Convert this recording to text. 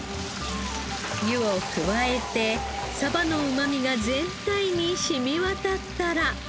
湯を加えてサバのうまみが全体に染み渡ったら。